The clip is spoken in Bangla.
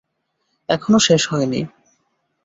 এখনো শেষ হয়নি।